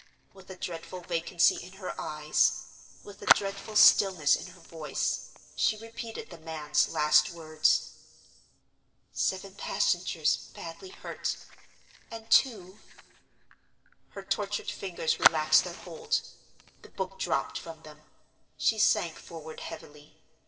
With a dreadful vacancy in her eyes, with a dreadful stillness in her voice, she repeated the man's last words: "Seven passengers badly hurt; and two—" Her tortured fingers relaxed their hold; the book dropped from them; she sank forward heavily.